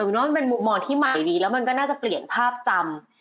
ว่ามันเป็นมุมมองที่ใหม่ดีแล้วมันก็น่าจะเปลี่ยนภาพจำ